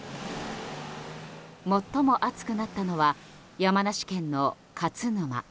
最も暑くなったのは山梨県の勝沼。